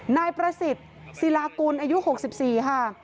นายประสิทธิ์ศิลากุลอายุ๖๔ค่ะ